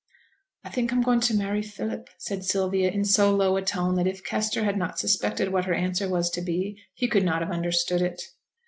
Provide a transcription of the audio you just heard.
'I think I'm going to marry Philip,' said Sylvia, in so low a tone, that if Kester had not suspected what her answer was to be, he could not have understood it.